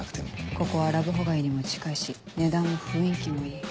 ここはラブホ街にも近いし値段も雰囲気もいい。